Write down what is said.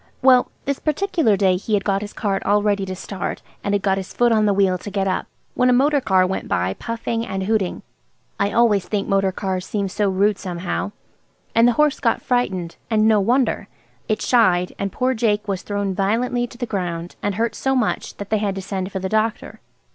Well, this particular day he had got his cart all ready to start and had got his foot on the wheel to get up, when a motor car went by puffing and hooting. I always think motor cars seem so rude somehow. And the horse was frightened; and no wonder. It shied, and poor Jake was thrown violently to the ground, and hurt so much that they had to send for the doctor.